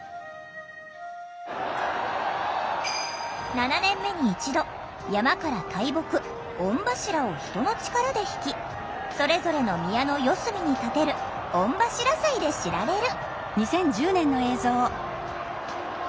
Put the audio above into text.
７年目に一度山から大木「御柱」を人の力でひきそれぞれの宮の四隅に建てる「御柱祭」で知られる。